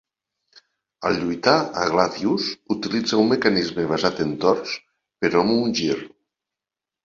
Al lluitar a "Gladius" utilitza un mecanisme basat en torns, però amb un gir.